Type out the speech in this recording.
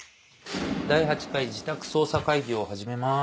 第８回自宅捜査会議を始めます。